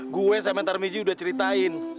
gue sementar miji udah ceritain